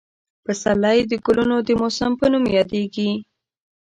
پسرلی د ګلونو د موسم په نوم یادېږي.